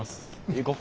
行こう。